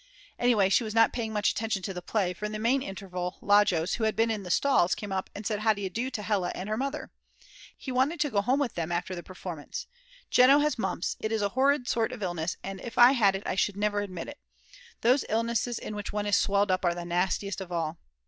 Anyway she was not paying much attention to the play for in the main interval Lajos, who had been in the stalls, came up and said how d'you do to Hella and her mother. He wanted to go home with them after the performance. Jeno has mumps, it is a horrid sort of illness and if I had it I should never admit it. Those illnesses in which one is swelled up are the nastiest of all.